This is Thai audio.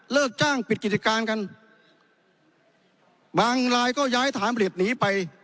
เลิกจ้างปิดกิจการกันบางรายก็ย้ายถามหลีดหนีไป